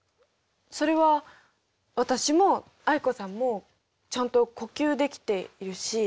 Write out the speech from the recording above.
それは私も藍子さんもちゃんと呼吸できているし。